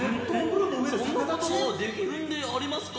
そんなことができるんでありますか？